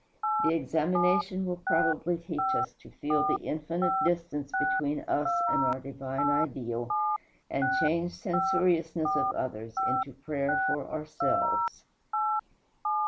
The examination will probably teach us to feel the infinite distance between us and our divine Ideal, and change censoriousness of others into prayer for ourselves.